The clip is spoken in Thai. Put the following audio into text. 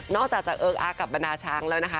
อกจากจะเอิกอาร์กับบรรดาช้างแล้วนะคะ